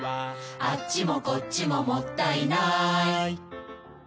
「あっちもこっちももったいない」